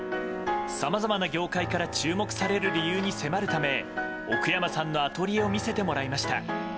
さまざまな業界から注目される理由に迫るため奥山さんのアトリエを見せてもらいました。